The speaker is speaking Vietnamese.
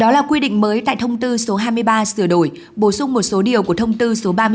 vào quy định mới tại thông tư số hai mươi ba sửa đổi bổ sung một số điều của thông tư số ba mươi chín